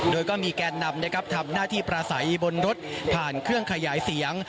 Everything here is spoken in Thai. โดยก็มีแกนนำนะครับทำหน้าที่ปราศัยบนรถผ่านเครื่องขยายเสียง